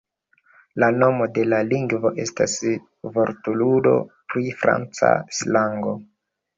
La nomo de la lingvo estas vortludo pri franca slango.